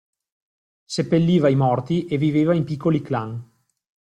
Seppelliva i morti e viveva in piccoli clan.